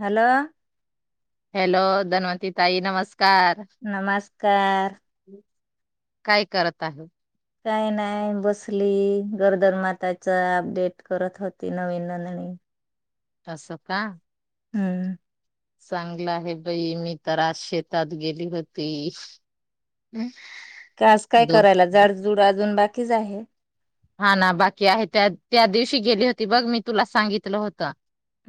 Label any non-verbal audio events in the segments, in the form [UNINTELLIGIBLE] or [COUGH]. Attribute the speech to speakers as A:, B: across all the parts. A: Hello
B: hello Dhanwati ताई नमस्कार
A: नमस्कार.
B: काय करत आहे.
A: काय नाही बसली गर्दरमाताच अपडेट करत होती नवीन नोंदणी.
B: असं का
A: हम्म.
B: चांगलं आहे बई मी तर आज शेतात गेली होती. हम्म.
A: कास काय करायला जाडझुड अजून बाकीच आहे.
B: हा ना बाकी आहे त्या त्या दिवशी गेली होती बघ मी तुला सांगितलं होत.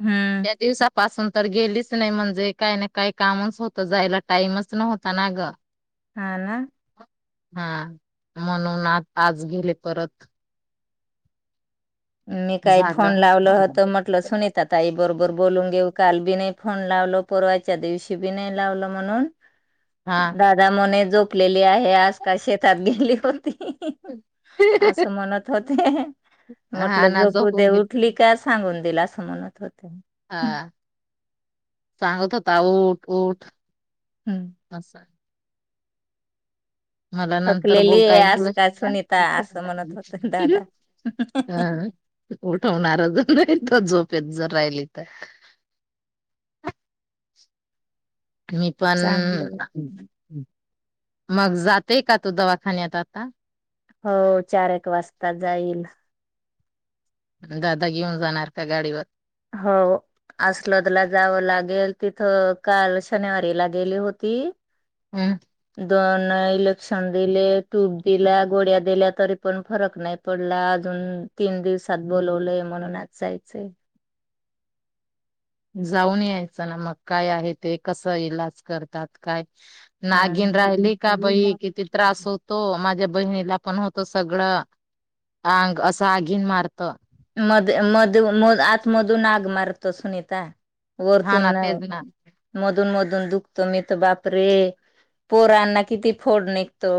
A: हम्म
B: दिवसापासून तर गेलीच नाही म्हणजे काय ना काय कामच होतं जायला टाइमच न होता ना ग.
A: हा ना,
B: हा म्हणून आता आज गेले परत
A: मी काही फोन
B: झालं
A: लावल होत म्हटलं सुनित ताई बरोबर बोलून घेऊ काल बी नाही. फोन लावल परवाच्या दिवशी बी नाही लावलं म्हणून.
B: हा
A: दादा म्हनेन झोपलेल ते आहे आजकाल शेतात गेली. तर ती असस म नत होते.
B: हा
A: म्हटलं
B: ना
A: झोपू दे
B: झोपून घेतली
A: उठली का? सांगून दिलास म्हणत होत.
B: हा सांगत होता ऊठ ऊठ आस. ह. आल्या नंतर
A: थकलेली
B: बोलता
A: आहे
B: येत
A: आज काय सुनीता
B: नही
A: असं म्हणत होत दादा.
B: [UNINTELLIGIBLE] उठवणारच नाही तो झोप जर राहिली तर मी पण.
A: चांगलंय.
B: मग जातेय का तू दवाखान्यात आता.
A: हो चार एक वाजता जाईल.
B: दादा घेऊन जाणार का गाडीवर?
A: हो. अस्लोदला जावं लागेल तिथं काल शनिवारीला गेली होती.
B: हम्म.
A: दोन इलेक्सन दिले टूप दिला गोड्या दिल्या तरी पण फरक नाही पडला अजून तीन दिवसात बोलवलंय म्हणून आज जायचंय.
B: जाऊन यायचं ना मग काय आहे ते कसं इलाज करतात काय? नागीन राहिली का बही
A: हा.
B: किती त्रास होतो माझ्या बहिणीला पण होत सगळं आंग असं आगीन मारत
A: मध मध आतमधून आग मारतो सुनीता
B: हा
A: वर्तून
B: ना तेच ना
A: नाही मधून मध दुखतो मी बाप रे पोरांना किती फोड निघतो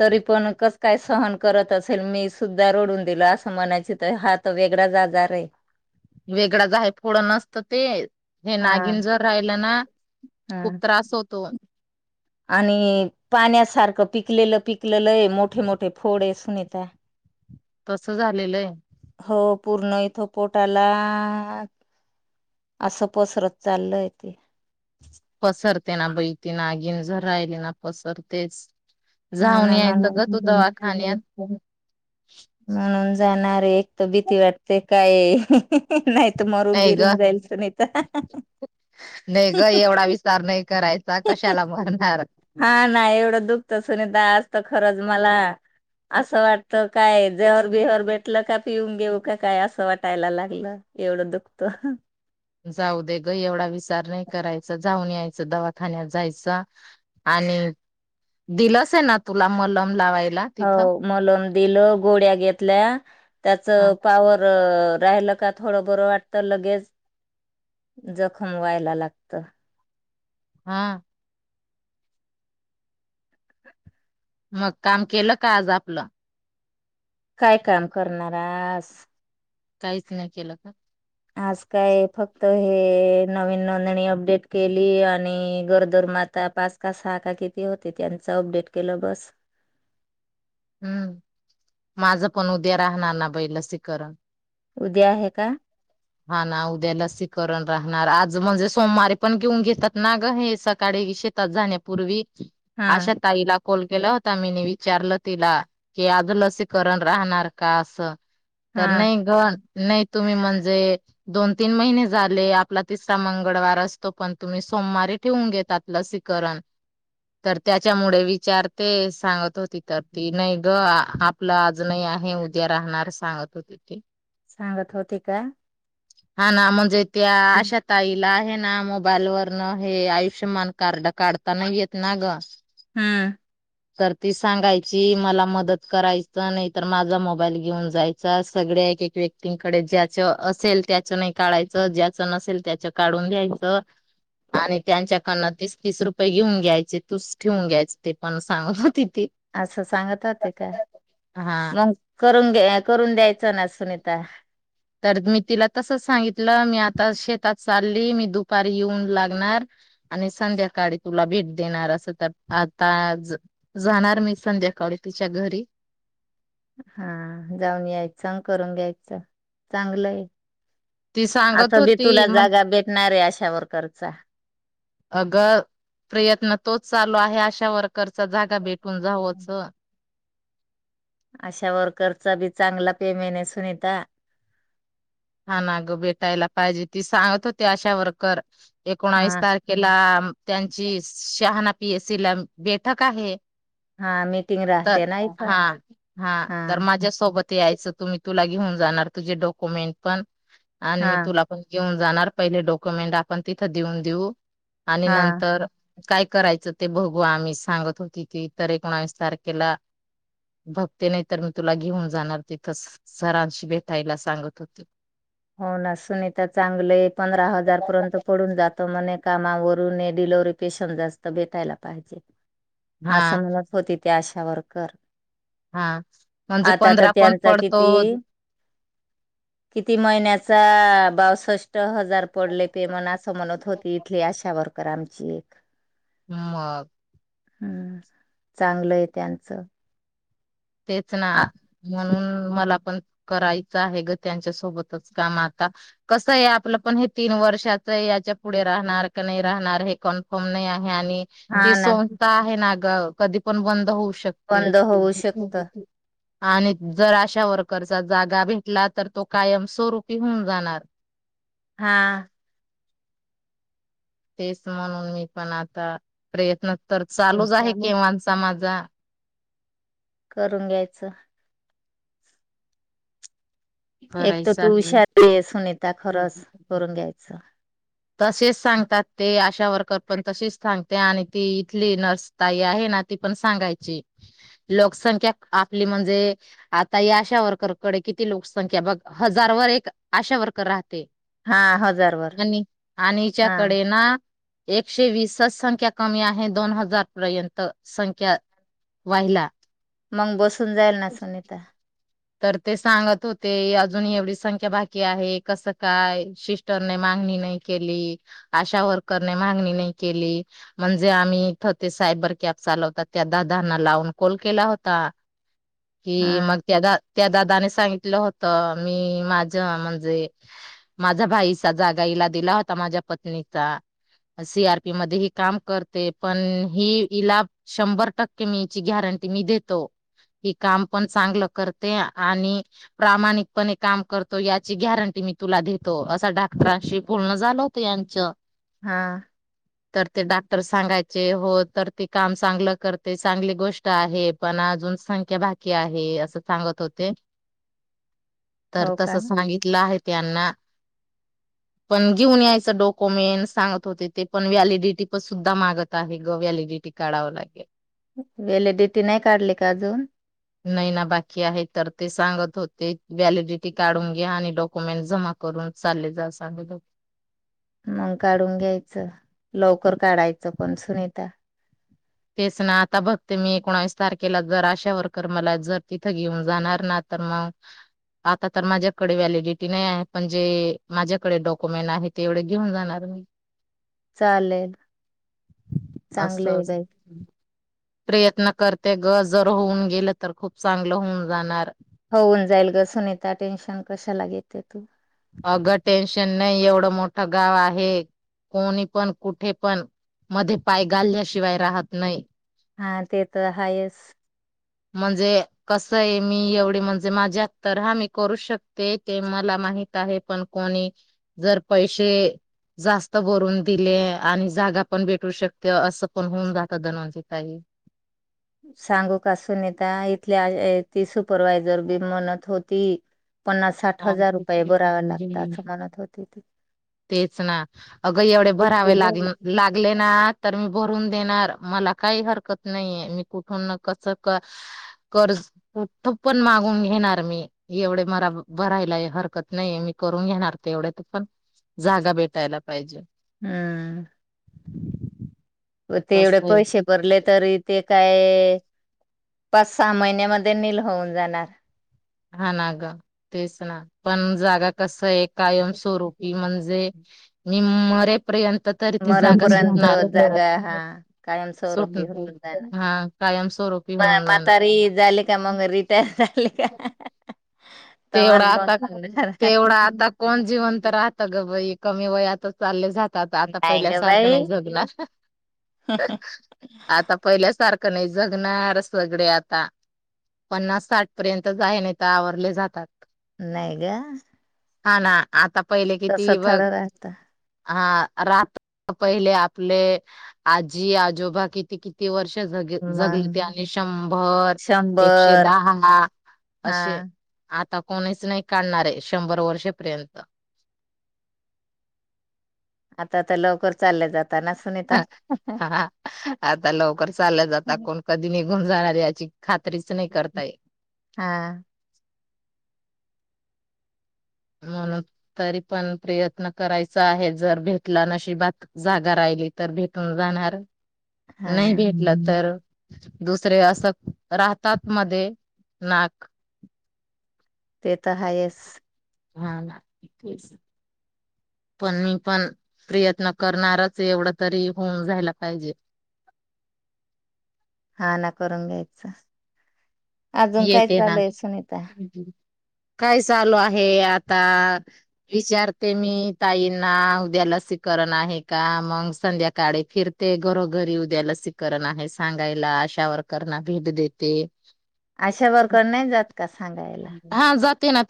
A: तरी पण कस काय सहन करत असेल मी सुद्धा रोडून दिल असं म्हणायच हा त वेगळाच आजार आहे
B: वेगळाच आहे फोडं नसतं ते हे
A: हा
B: नागिन जर राहिलं ना
A: ह
B: खूप त्रास होतो
A: आणि पाण्यासारखं पिकलेलं पिकलेलं आहे मोठे मोठे फोड सुून यता
B: तस झालेलं आहे
A: हो पूर्ण इथं पोट आला असं पसरत चालल आहे ते
B: पसर ते ना बैती नागीन झ राहिले ना पसरतेच
A: हा
B: जाऊन
A: ना
B: या बघत होत
A: म्हणून
B: वाखाान
A: म्हण [UNINTELLIGIBLE] जाणार एक त भीती वाटते काय नाही त मरून
B: नाही ग
A: बिरून जाईल सुनीता
B: नाही ग एवढा विचार नाही करायचा कशाला मरणार
A: हा नाही एवढं दुखत सुनीता तर खरंच मला असं वाटतं काय जेहर बिहर भेटलं का पिऊन घेऊ का काय असं वाटायला लागलं एवढं दुखत
B: जाऊ दे ग एवढा विचार नाही करायचा जाऊन याय दवाखान्यात जायच आणि दिल आहे ना तुला मल
A: हो मलम दिलं गोड्या घेतल्या त्याच
B: हा
A: पावर राहिल का थोडं बरं वाटत लगेच जखम व्हायला लागत
B: हा मग काम केलं का आज आपलं
A: काय काम करणारस
B: काहीच नाही केलं का?
A: आज काय फक्त त हे नवीन [UNINTELLIGIBLE] अपडेट केली आणि गरोदर माता पाच का सहा का किती होते त्यांच अपडेट केलं बस.
B: हम्म माझं पण उद्या राहणार ना बाई लसीकरण.
A: उद्या आहे का?
B: हा ना उद्या लसीकरण राहणार आज म्हणजे सोमवारी पण घेऊन घेतात ना ग हे सकाळी शेतात जाण्यापूर्वी.
A: हा
B: आशा ताईला कॉल केला होता मीनी विचारलं तिला की आज लसीकरण राहणार का असं? तर
A: हा
B: नाही ग नाही तुम्ही म्हण जे दोन तीन महिने झाले आपला तिसरा मंगळवार असतो पण, तुम्ही सोमवारी ठेवून घेतात लसीकरण तर त्याच्यामुळे विचारते सांगत होती तर ती नाही ग आपलं आज नाही आहे उद्या राहणार सांगत होती ती.
A: सांगत होते का?
B: हा ना म्हंजे त्या आशा ताईला आहे ना मु [UNINTELLIGIBLE] वर्ण हे आयुष्यमान कार्ड काढता नाही येत ना ग.
A: हम्म.
B: तर ती सांगायची मला मदत करायचा नाही, तर माझा मोबाईल घेऊन जायचा सगळ्या एक एक व्यक्तींकडे ज्या जर असेल त्याच नाही काढायच ज्याच नसेल त्याच काढून घ्यायचं आणि त्यांच्याकडन तीस-तीस रुपये घेऊन घ्यायचे तूस ठेवून घ्यायच ते पण सांगत होती. ती
A: असं सांगता ते काय
B: हा
A: मगं करून घे करून द्यायचं ना सुनीता.
B: तर मी तिला तस सांगितलं मी आता शेतात चालली. मी दुपारी येऊन लागणार आणि संध्याकाळी तुला भेट देणार असं, तर आता जा जाणार मी संध्याकाळी तिच्या घरी.
A: हा जाऊन यायचं करून घ्यायचं चांगलंय.
B: ती सांगत
A: आता बी
B: होती
A: तुला
B: म्हणजे
A: जागा भेटणार आहे आशा वर्कर चा.
B: अग प्रयत्न तोच चालू आहे आशा वर्क करता जागा भेटून जावंच.
A: आशा वर्करचा बी चांगला पेमेंट हाये सुनीता.
B: हा ना ग भेटायला पाहिजे ती सांगत होती अशा वर्कर एकोणावीस
A: हा
B: तारखेला त्यांची शहाणा पी. ए. सी ला बैठक आहे.
A: हा मीटिंग
B: तर
A: राहते ना इथं
B: हा हा तर माझ्या सोबत यायचं तु मी तुला घेऊन जाणार तुझे डॉक्युमेंट पण आणि
A: हा
B: मी तुला पण घेऊन जाणार पहिले डॉक्युमेंट आपण तिथं देऊन देऊ. आणि
A: हा
B: नंतर काय करायचं ते भघू आम्ही सांगत होती की तर एकोणावीस तारखेला भघते नाही तर, मी तुला घेऊन जाणार तिथं सरांशी भेटायला सांगत होती.
A: हो ना सुनीता चांगलय पंधरा हजार पर्यंत पडून जात म्हणे. कामावरून डिलवरी पेशंट जास्त बेटायला पाहिजे.
B: हा
A: असं मलात होते त्या आशा वर्कर.
B: हा म्हणजे
A: आता तर
B: पंधरा पण
A: त्यांचा
B: पडतो.
A: किती ती महिन्याचा बावसष्ट् हजार पडले पे मन असं म्हणत होती इथली आशावर- कर आमची एक
B: ह म.
A: हम्म चांगलंय त्यांचं.
B: तेच ना म्हणून मला पण करायच आहे गं त्यांच्या सोबतच काम, आता कस आहे आपलं पण हे तीन वर्षाच याच्या पुढे राहणार का नाही राहणार हे कन्फर्म नाही आहे. आणि
A: हा
B: ती
A: ना
B: संस्था आहे ना ग कधी पण बंद होऊ शकते.
A: बंद होऊ शक ता
B: आणि जर अशावर जागा भेटला तर तो कायम स्वरूपी होऊन जाणार
A: हा
B: तेच म्हणून मी पण आता प्रयत्न तर चालूच आहे केवांचा माझा
A: करून घ्यायचं एक तर
B: करायचा
A: तू
B: आहे.
A: हुशार सुनीता खरंच करून घ्यायच
B: तसेच सांगतात ते अशा वर्कर पण तशीच सांगते आणि ती इथली नर्सतााई आहे ना ती पण सांगायची लोकसंख्या आपली म्हणजे आता या अशा वर्कर कडे किती लोकसंख्या बघ हजार वर एक अशा वर्कर राहते
A: हा हजार वर
B: आणि आणिच्याकडे ना एकशे वीसच संख्या कमी आहे दोन हजार पर्यंत संख्या वाहिल्या
A: मग बसून जाईल ना सुनीता
B: तर ते सांगत होते अजून एवढी संख्या बाकी आहे कसं काय शिस्टरने मागणी नाही केली आशा वर्करने मागणी नाही केली म्हणजे आम्ही इथं ते सायबर कॅब चालवता त्या दादना लावून कॉल केला होता ह
A: हा
B: मग त्यादा त्या दादाने सांगितलं होत मी माझ म्हणजे माझा भाईचा जागा इला दिला होता माझ्या पत्नीचा सी आरपी मध्ये ही काम करते पण ही इला शंभर टक्के मीची गॅरंटी मी देतो ही काम पण चांगलं करते ते आणि प्रामाणिकपणे काम करतो याची गॅरंटी मी तुला देतो असं डाक्टरांशी बोलण झाल होत यांचं
A: हा
B: तर ते डाक्टर सांगायचे हो तर ते काम चांगलं करते चांगली गोष्ट आहे पण अजून संख्या बाकी आहे असं सांगत होते तर
A: हो
B: तस
A: का
B: सांगितलं आहे त्यांना पण घेऊन यायचं डॉक्युमेंट सांगत होते ते पण व्हॅलिडिटी पण सुद्धा मागत आहे ग व्हॅलिडिटी काढावं लागेल
A: व्हॅलिडिटी नाही काढली का अजून
B: नाही ना बाकी आहे तर ते सांगत होते व्हॅलिडिटी काढून घ्या आणि डॉक्युमेंट जमा करून चालले जा सांगत होते
A: मग काढून घ्यायचं लवकर काढायचं पण सुनीता
B: तेच ना आता बघते मी एकोणावीस तारखेला जर अशा वर्कर मला जर तिथं घेऊन जाणार ना तर मग आता तर माझ्याकडे व्हलिडिटी नाही आहे पण जे माझ्याकडे डॉक्युमेंट आहे ते एवढे घेऊन जाणार
A: चालेल चांगलं
B: असतं
A: आहे
B: अस
A: बाई
B: प्रयत्न करते ग जर होऊन गेलं तर खूप चांगलं होऊन जाणार
A: होऊन जाईल गं सुनीता टेन्शन कशाला घ येते तू
B: अगं टेन्शन नाही एवढं मोठं गाव आहे कोणी पण कुठे पण मध्ये पाय घालल्याशिवाय राहत नाही
A: हा ते तर हायस
B: म्हणजे कस आहे मी एवढी म्हणजे माझ्यात तर हा मी करू शकते ते मला माहित आहे पण कोणी जर पैसे जास्त भरून दिले आणि जागा पण भेटू शकते असं पण होऊन जातं धनंज काही
A: सांगू का सूनिता ती सुपरवाय जर बी म्हनत होती पन्नास साठ हजार रुपये भरावे लागतात असं म्हणत होती
B: तेच ना अगं एवढे भरावे लाग
A: ती
B: लागले ना तर मी भरून देणार मला काही हरकत नाहीये मी कुठून कस कर्ज कुठ पण मागून घेणार मी एवढे मला भरायलाय हरकत नाहीे मी करून घेणार ते एवढ्यात पण जागा भेटायला पाहिजे.
A: हम् ते एवढे
B: कसं
A: पैसे
B: आहे
A: भरले तरी ते काय पाच सहा महिन्यामध्ये नील होऊन जाणार.
B: हा ना ग तेच ना पण जागा कसं एक कायम स्वरूपी म्हणजे निम
A: मरणापर्यंत जागा हा
B: सुट
A: कायमस्वरुपी म
B: हा कायम स्वरूपी होऊन जाणार
A: म्हातारी झाली का मग ती त्या
B: तेवढा आता
A: बंद होणार.
B: तेवढा आता कोण जिवंत राहतं ग बाई कमी वयात चालले जात आ आता आता
A: नाही
B: पहिल्या
A: ग
B: सारखं
A: बाई
B: नाही जगणार आता पहिल्या सारखं नाही जगणार सगळे आता पन्नास साठ पर्यंत आहे नाही तर आवरले जातात.
A: नाही गं
B: हा ना आता पहिले
A: तस
B: किती
A: तर
B: बघ
A: राहता
B: हा रात्र पहिले आपले आजी आजोबा किती किती वर्ष ग जगलीते
A: मग
B: आणि शंभर एकशे
A: शंभर
B: दहा
A: हा
B: असे आता कोणीच नाही काढणारे शंभर वर्षेपर्यंत
A: आता आता लवकर चालल्या जात
B: हा आता लवकर चा जात कोण कधी निघ न जाणार याची खात्रीच नाही करताय
A: हा
B: म्हणून तरी पण प्रयत्न करायचा आहे जर भेटला नशीिबात जागा राहिली तर भेटून जाणार
A: हा
B: नाही भेटलं तर दुसरे असशक राहतात मध्ये नाक
A: ते तरहायस
B: हा पण मी पण प्रयत्न करणारच एवढ तरी होऊन जायला पाहिजे
A: हा ना करून घ्यायच अजून काय
B: येते ना
A: चालूय सुनीता
B: काय चालू आहे आता विचारते मी ताईंना उद्याला लसीकरण आहे का मग संध्याकाळी फिरते घरोघरी उद्याला लसीकरण आहे सांगायला आशावरकरना भेट देते.
A: अशा वरकर नाही, जात का सांगायला.
B: ते ना.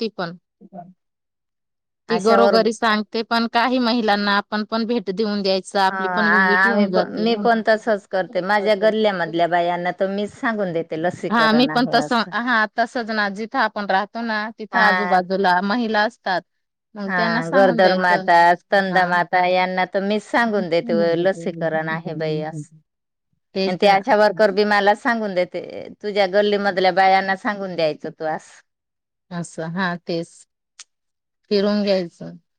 B: ती
A: आशावर
B: घरोघरी सांगते. पण काही महिलांना आपण पण भेट. देऊन द्यायच
A: ह
B: आपली पण विजिट
A: आम्ही
B: होऊन
A: पण मी पण तसच करते माझ्या
B: जाते
A: गल्ल्यामधल्या बायांना त मी सांगून देते.
B: हा मी
A: लसीकरण
B: पण
A: आहे
B: तस
A: असं
B: हा तसच ना जिथं आपण राहतो ना तिथं
A: हा
B: आजूबाजूला महिला. ात
A: हा गरोदर माता स्तंदा
B: हा.
A: माता यांना तर मी सांगून देते लसीकरण आहे बाई अस आणि
B: तेच
A: त्या
B: ना
A: अच्या बरोकर बी मला सांगून देते. तुझ्या गल्लीमधल्या बायांना सांगून द्यायच तू आस.
B: असं हा तेच फिरून घ्यायचं.